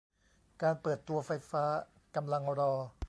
การเปิดตัวไฟฟ้ากำลังรอ